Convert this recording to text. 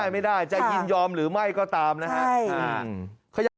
ไม่ได้จะยินยอมหรือไม่ก็ตามนะฮะ